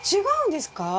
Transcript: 違うんですか？